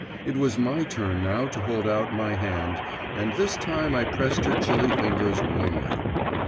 It was my turn now to hold out my hand, and this time I pressed her chilly fingers warmly.